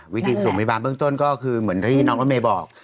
วิธีส่งพยาบาลเบื้องต้นก็คือเหมือนที่น้องรถเมย์บอก